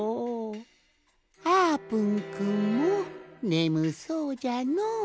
あーぷんくんもねむそうじゃのう。